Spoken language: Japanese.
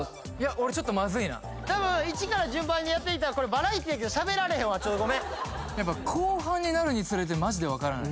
俺ちょっとまずいな１番から順番にやっていったらバラエティやけどしゃべられへんわ後半になるにつれてマジでわからない